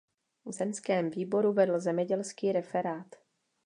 V zemském výboru vedl zemědělský referát.